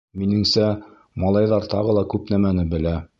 Минеңсә, малайҙар тағы ла күп нәмәне белә.